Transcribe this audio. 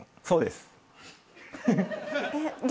そうです。